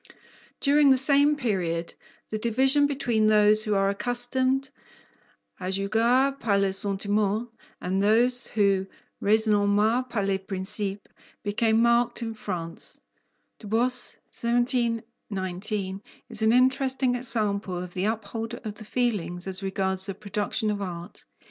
During the same period, the division between those who are accustomed "à juger par le sentiment" and those who "raisonnent par les principes" became marked in France, Du Bos (1719) is an interesting example of the upholder of the feelings as regards the production of art.